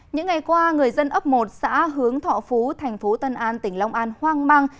những ngày qua người dân ấp một xã hướng thọ phú thành phố tân an tỉnh long an hoang mang